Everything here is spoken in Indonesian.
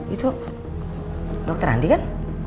itu dokter andi kan